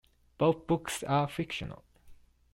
Both books are fictional.